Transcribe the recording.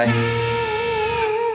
janji kok abang gak bakal macet